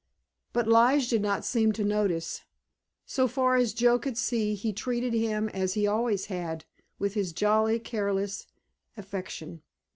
But Lige did not seem to notice. So far as Joe could see he treated him as he always had, with his jolly, careless affection.